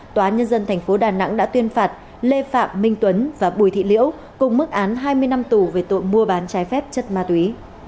tòa nhân dân tp đà nẵng đã tuyên phạt lê phạm minh tuấn và bùi thị liễu cùng mức án hai mươi năm tù về tội mua bán trái phép chất ma túy